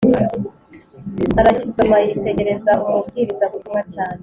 Aragisoma, yitegereza Umubwirizabutumwa cyane